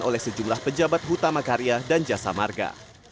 oleh sejumlah pejabat utama karya dan jasa marga